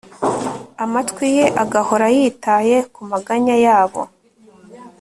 amatwi ye agahora yitaye ku maganya yabo